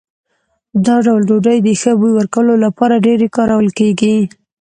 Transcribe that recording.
دا ډول ډوډۍ د ښه بوی ورکولو لپاره ډېرې کارول کېږي.